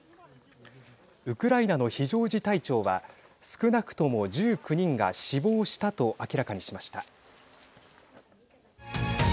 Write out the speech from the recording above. ウクライナの非常事態庁は少なくとも１９人が死亡したと明らかにしました。